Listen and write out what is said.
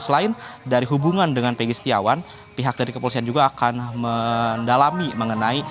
selain dari hubungan dengan pegi setiawan pihak dari kepolisian juga akan mendalami mengenai